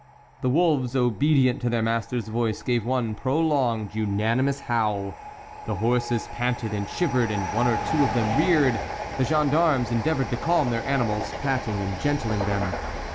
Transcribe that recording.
The wolves, obedient to their master's voice, gave one prolonged, unanimous howl. The horses panted and shivered, and one or two of them reared. The gendarmes endeavoured to calm their animals, patting and gentling them.